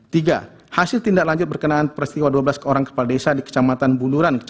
tiga hasil tindak lanjut berkenaan peristiwa dua belas orang kepala desa di kecamatan bunduran